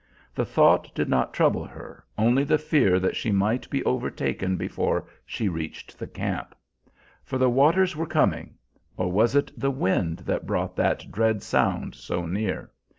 The thought did not trouble her, only the fear that she might be overtaken before she reached the camp. For the waters were coming or was it the wind that brought that dread sound so near!